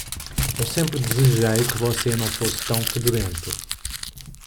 Eu sempre desejei que você não fosse tão fedorento.